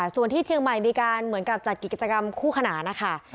ส่วนที่เชียงใหม่มีการเหมือนกับจัดกิจกรรมคู่ขนานนะคะ